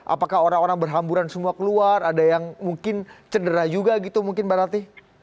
apakah orang orang berhamburan semua keluar ada yang mungkin cedera juga gitu mungkin mbak rati